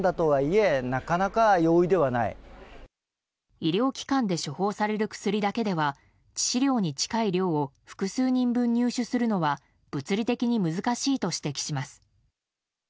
医療機関で処方される薬だけでは致死量に近い量を複数人分入手するのは物理的に難しいと指摘します。